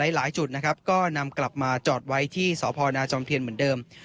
หลายจุดนะครับก็นำกลับมาจอดไว้ที่สพนาจอมเทียนเหมือนเดิม